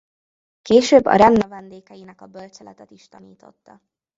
Később a rend növendékeinek a bölcseletet is tanította.